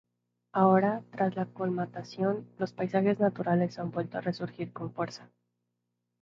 Ahora, tras la colmatación, los paisajes naturales han vuelto a resurgir con fuerza.